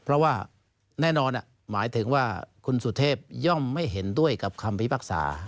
เพราะว่าแน่นอนหมายถึงว่าคุณสุเทพย่อมไม่เห็นด้วยกับคำพิพากษา